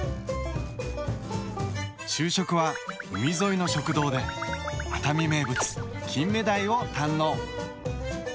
昼食は海沿いの食堂で熱海名物金目鯛を堪能。